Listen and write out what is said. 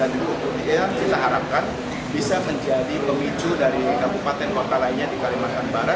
dan di bupati sanggau kita harapkan bisa menjadi pemicu dari kabupaten kota lainnya di kalimantan barat